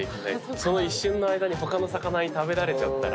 その一瞬の間に他の魚に食べられちゃったら。